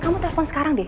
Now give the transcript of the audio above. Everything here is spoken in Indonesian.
kamu telepon sekarang deh